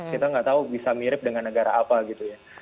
kita nggak tahu bisa mirip dengan negara apa gitu ya